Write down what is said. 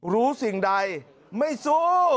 รู้สิ่งใดไม่สู้